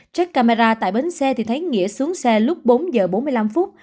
trước camera tại bến xe thì thấy nghĩa xuống xe lúc bốn giờ bốn mươi năm phút